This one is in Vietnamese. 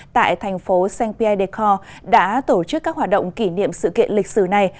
tại thành phố saint pierre des corses đã tổ chức các hoạt động kỷ niệm sự kiện lịch sử này